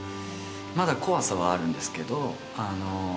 まだ怖さはあるんですけどあの